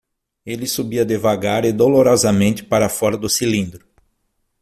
Ele subia devagar e dolorosamente para fora do cilindro.